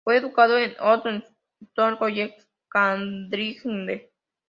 Fue educado en Eton y St John's College, Cambridge.